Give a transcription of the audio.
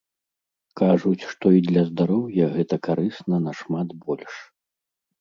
Кажуць, што і для здароўя гэта карысна нашмат больш.